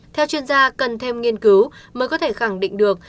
theo chuyên gia cần thêm nghiên cứu mới có thể khẳng định được